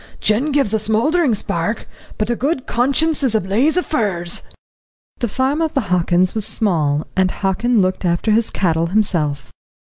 Gin gives a smouldering spark, but a good conscience is a blaze of furze." The farm of the Hockins was small, and Hockin looked after his cattle himself.